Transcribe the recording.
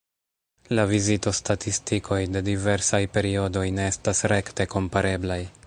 La vizitostatistikoj de diversaj periodoj ne estas rekte kompareblaj.